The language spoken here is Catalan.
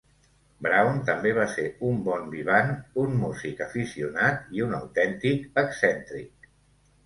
Brown també va ser un "bon vivant", un músic aficionat i un autèntic excèntric.